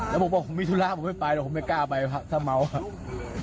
แล้วบอกว่าผมมีธุระผมไม่ไปแต่ผมไม่กล้าไปถ้าเมาท์